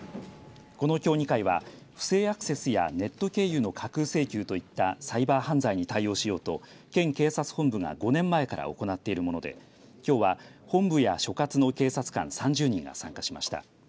この競技会は不正アクセスやネット経由の架空請求といったサイバー犯罪に対応しようと県警察本部が５年前から行っているものできょうは、本部や所轄の警察官３０人が参加しました。